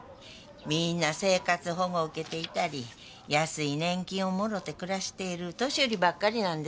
みんな生活保護受けていたり安い年金をもろうて暮らしている年寄りばっかりなんです。